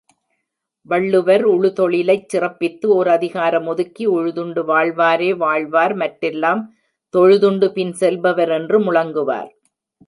வள்ளுவர் உழுதொழிலைச் சிறப்பித்து ஓரதிகாரம் ஒதுக்கி, உழுதுண்டு வாழ்வாரே வாழ்வார், மற்றெல்லாம் தொழுதுண்டு பின் செல்பவர் என்று முழங்குவார்.